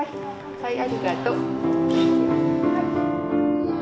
はいありがと。